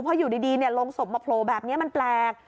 เพราะอยู่ดีลงศพมาโผล่แบบนี้มันแปลก